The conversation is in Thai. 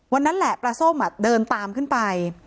วันนั้นแหละปลาส้มเดินตามขึ้นไป